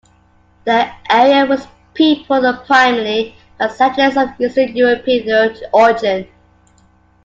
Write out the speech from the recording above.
The area was peopled primarily by settlers of Eastern European origin.